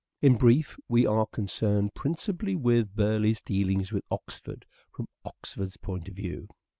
In brief, we are concerned principally with Burleigh's dealings with Oxford, from Oxford's point of view.